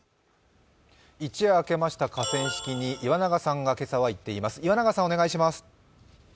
一夜明けました河川敷に岩永さんがいっています。